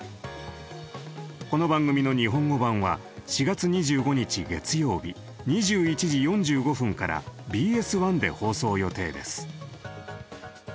この番組の日本語版は４月２５日月曜日２１時４５分からＢＳ１で放送予定です。